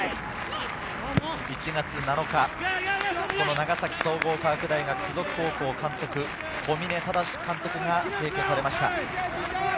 １月７日、この長崎総合科学大学附属高校監督・小嶺忠敏監督が逝去されました。